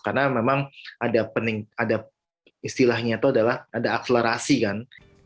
karena memang ada pening ada istilahnya itu adalah ada akselerasi kan